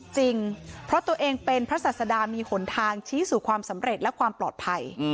จริงเพราะตัวเองเป็นพระศาสดามีหนทางชี้สู่ความสำเร็จและความปลอดภัย